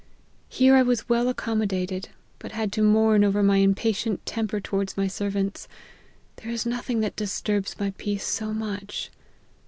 Here I was well accommo dated, but had to mourn over my impatient temper towards my servants ; there is nothing that disturbs my peace so much.